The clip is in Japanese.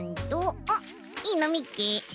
あっいいのみっけ！